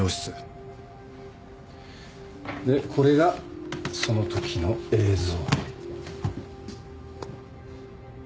でこれがそのときの映像。